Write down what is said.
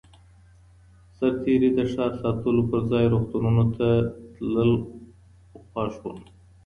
سرتېري د ښار ساتلو پرځای روغتونونو ته تلل خوښ ول.